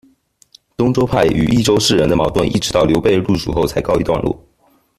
东州派与益州士人的矛盾一直到刘备入蜀后才告一段落。